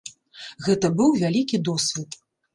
Гэта быў вялікі досвед.